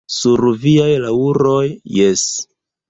Sur viaj laŭroj, jes!